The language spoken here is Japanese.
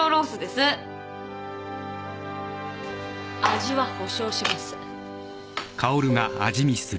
味は保証します。